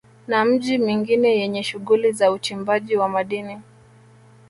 Na miji mingine yenye shughuli za uchimbaji wa madini